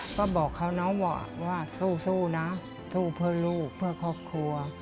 ก็บอกเขาน้องบอกว่าสู้นะสู้เพื่อลูกเพื่อครอบครัว